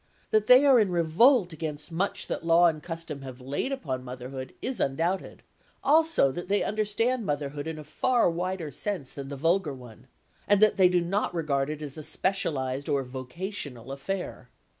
That they are in revolt against much that law and custom have laid upon motherhood is undoubted; also that they understand motherhood in a far wider sense than the vulgar one, and that they do not regard it as a specialised or vocational affair.